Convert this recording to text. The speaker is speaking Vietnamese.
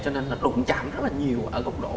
cho nên là đụng chạm rất là nhiều ở cục độ